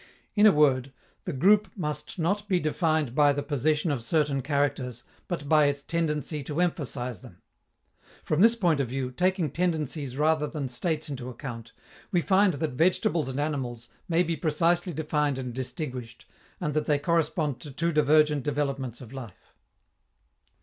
In a word, the group must not be defined by the possession of certain characters, but by its tendency to emphasize them. From this point of view, taking tendencies rather than states into account, we find that vegetables and animals may be precisely defined and distinguished, and that they correspond to two divergent developments of life.